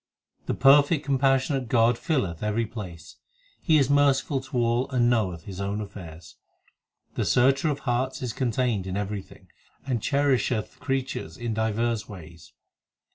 264 THE SIKH RELIGION 3 The perfect compassionate God filleth every place : He is merciful to all, And knoweth His own affairs. The Searcher of hearts is contained in everything, And cherisheth creatures in divers ways.